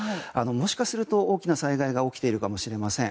もしかすると大きな災害が起きているかもしれません。